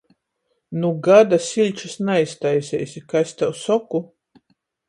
Nu gada siļčis naiztaiseisi, ka es tev soku.